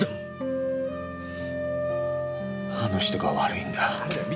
あの人が悪いんだ。